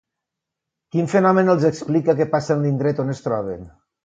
Quin fenomen els explica que passa en l'indret on es troben?